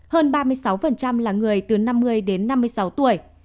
hơn ba mươi sáu là người từ năm mươi đến năm mươi sáu tuổi